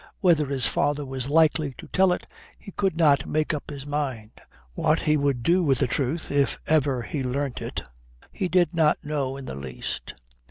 Whether his father was likely to tell it, he could not make up his mind. What he would do with the truth if ever he learnt it, he did not know in the least.